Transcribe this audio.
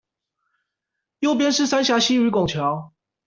右邊是三峽溪與拱橋